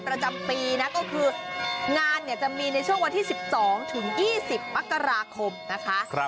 ประจำปีน่ะก็คืองานเนี้ยจะมีในช่วงวันที่สิบสองถุง๒๕อคราคมนะคะ